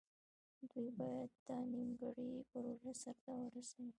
دوی باید دا نیمګړې پروژه سر ته ورسوي.